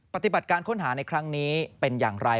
ปฏิบัติการค้นหาในครั้งนี้เป็นอย่างไร